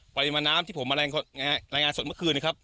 ปริมาณน้ำที่ผมมารายงานสดเมื่อคืนนะครับ